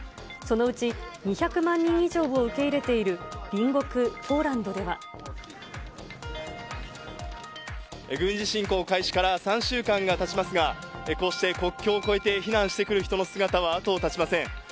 そのうち２００万人以上を受け入れている隣国、軍事侵攻開始から３週間がたちますが、こうして国境を越えて避難してくる人の姿は後を絶ちません。